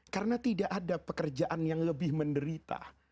karena tidak ada pekerjaan yang lebih menderita